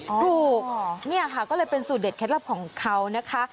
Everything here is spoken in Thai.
ถูกเนี่ยค่ะก็เลยเป็นสูตรเด็ดเคล็ดลับของเขานะคะ